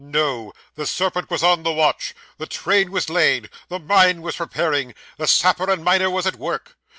No. The serpent was on the watch, the train was laid, the mine was preparing, the sapper and miner was at work.